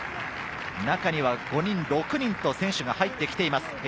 中には５人、６人と選手が入ってきています。